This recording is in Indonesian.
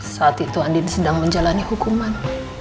saat itu andin sedang menjalani hukuman